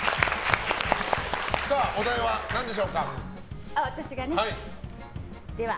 お題は何でしょうか？